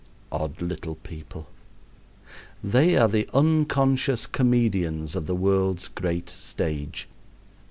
Odd little people! They are the unconscious comedians of the world's great stage.